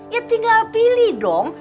ya tinggal pilih dong